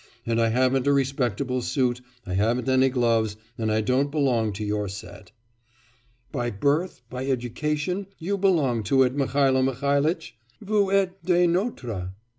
And I haven't a respectable suit, I haven't any gloves, and I don't belong to your set.' 'By birth, by education, you belong to it, Mihailo Mihailitch! vous êtes des notres.